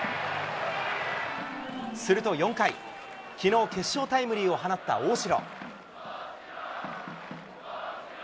すると４回、きのう、決勝タイムリーを放った大城。